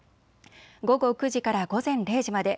午後９時から午前０時まで。